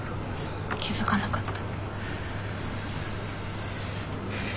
気付かなかった。